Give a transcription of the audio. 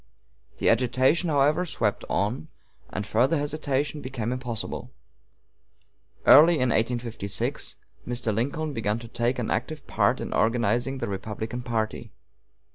The agitation, however, swept on, and further hesitation became impossible. Early in 1856 Mr. Lincoln began to take an active part in organizing the Republican party.